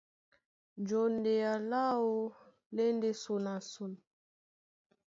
Jondea láō lá e ndé son na son.